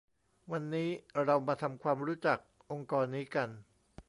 วันนี้เรามาทำความรู้จักองค์กรนี้กัน